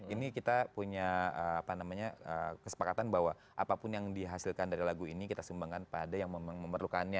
ini kita punya kesepakatan bahwa apapun yang dihasilkan dari lagu ini kita sumbangkan pada yang memang memerlukannya